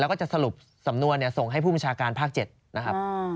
แล้วก็จะสรุปสำนวนส่งให้ผู้บัญชาการภาค๗นะครับ